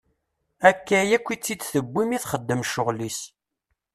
Akka akk i tt-id-tewwi mi i txeddem ccɣel-is.